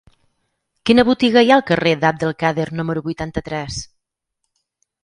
Quina botiga hi ha al carrer d'Abd el-Kader número vuitanta-tres?